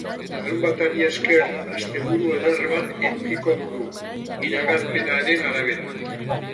Larunbatari esker, asteburu eder bat edukiko dugu, iragarpenaren arabera.